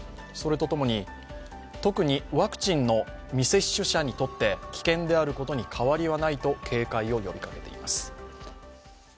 それとともに、特にワクチンの未接種者にとって危険であることに変わりはないと警戒を呼びかけています。